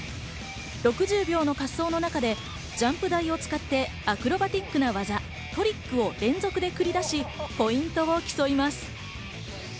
６０秒の滑走の中でジャンプ台を使ってアクロバティックな技、トリックを連続で繰り出し、ポイントを競います。